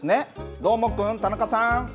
どーもくん、田中さん。